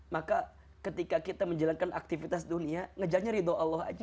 maka ketika kita menjalankan aktivitas dunia ngejarnya ridho allah aja